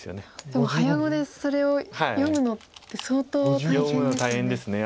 でも早碁でそれを読むのって相当大変ですよね。